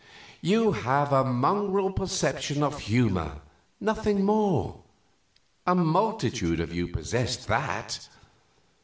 You have a mongrel perception of humor, nothing more; a multitude of you possess that.